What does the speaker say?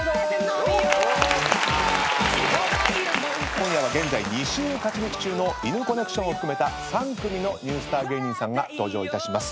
今夜は現在２週勝ち抜き中のイヌコネクションを含めた３組のニュースター芸人さんが登場いたします。